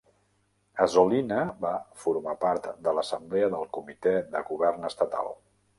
Azzolina va formar part de l'Assemblea del Comitè de Govern estatal.